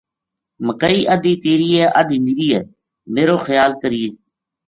مکئی ادھی تیری ہے ادھی میری ہے میر و خیا ل کرینے